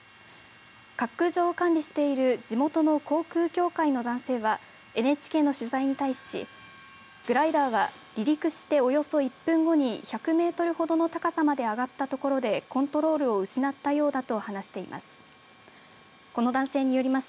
滑空場を管理している地元の航空協会の男性はＮＨＫの取材に対しグライダーは離陸しておよそ１分後に１００メートルほどの高さまであがったところでコントロールを失ったようだと話しています。